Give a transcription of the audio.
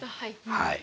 はい。